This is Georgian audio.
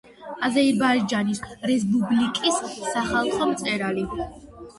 აზერბაიჯანის რესპუბლიკის სახალხო მწერალი.